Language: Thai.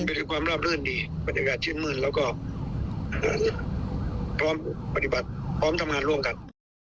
ไปถึงความราบรื่นดีบรรยากาศชื่นมื้นแล้วก็พร้อมปฏิบัติพร้อมทำงานร่วมกัน